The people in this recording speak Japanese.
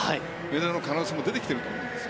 メダルの可能性が出てきていると思います。